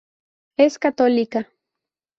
Es católica.